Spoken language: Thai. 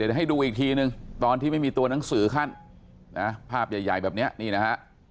เดี๋ยวให้ดูอีกทีนึงตอนที่ไม่มีตัวหนังสือขั้นนะภาพใหญ่แบบนี้นี่นะฮะ